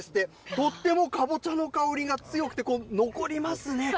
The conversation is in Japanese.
とってもかぼちゃの香りが強くて、残りますね。